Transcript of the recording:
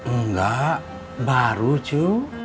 enggak baru cu